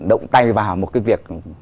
động tay vào một cái việc